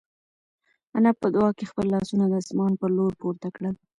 انا په دعا کې خپل لاسونه د اسمان په لور پورته کړل.